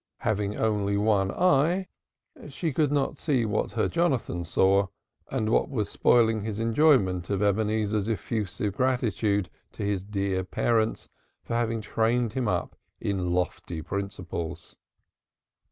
Having only one eye she could not see what her Jonathan saw, and what was spoiling his enjoyment of Ebenezer's effusive gratitude to his dear parents for having trained him up in lofty principles.